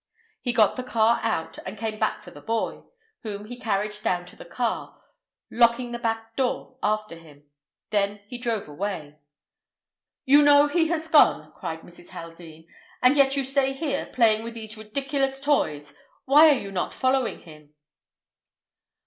He got the car out and came back for the boy, whom he carried down to the car, locking the back door after him. Then he drove away." "You know he has gone," cried Mrs. Haldean, "and yet you stay here playing with these ridiculous toys. Why are you not following him?"